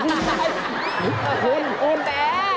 นี่แบร์